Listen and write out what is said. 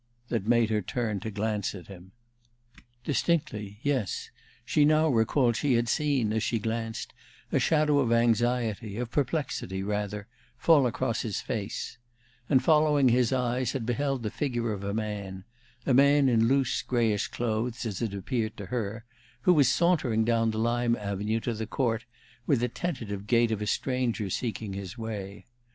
that made her turn to glance at him. Distinctly, yes, she now recalled she had seen, as she glanced, a shadow of anxiety, of perplexity, rather, fall across his face; and, following his eyes, had beheld the figure of a man a man in loose, grayish clothes, as it appeared to her who was sauntering down the lime avenue to the court with the tentative gait of a stranger seeking his way.